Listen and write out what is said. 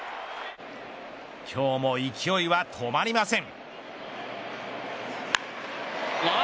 今日も勢いは止まりません。